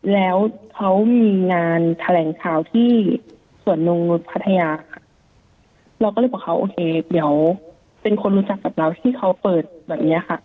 แล้วเขามีงานแถลงข่าวที่สวนนงนุษย์พัทยาค่ะเราก็เลยบอกเขาโอเคเดี๋ยวเป็นคนรู้จักกับเราที่เขาเปิดแบบเนี้ยค่ะ